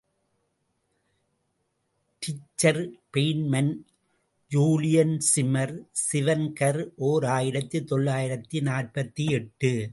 Richer Feynman, Julian சிமர் சிவன்கர், ஓர் ஆயிரத்து தொள்ளாயிரத்து நாற்பத்தெட்டு.